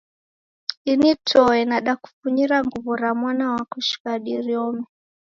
Ini toe nadakufunyira nguw'o ra mwana wako shighadi riome.